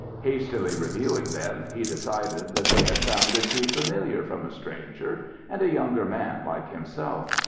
Hastily reviewing them, he decided that they had sounded too familiar from a stranger and a younger man like himself.